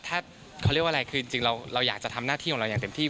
ถ้าเขาเรียกว่าอะไรคือจริงเราอยากจะทำหน้าที่ของเราอย่างเต็มที่